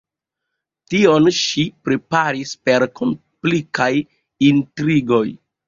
Tion ŝi preparis per komplikaj intrigoj.